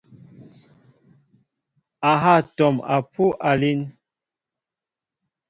A ha atɔm apuʼ alín.